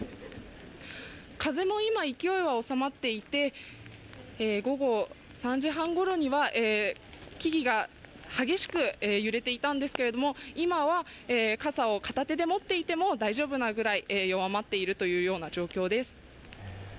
風も今、勢いは収まっていて午後３時半ごろには木々が激しく揺れていたんですけれども、今は傘を片手で持っていても大丈夫なくらい弱まっているというような状況です。